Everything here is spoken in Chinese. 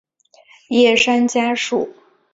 叶山嘉树。